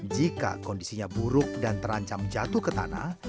jika kondisinya buruk dan terancam jatuh ke tanah